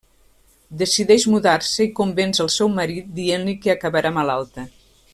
Decideix mudar-se i convenç el seu marit, dient-li que acabarà malalta.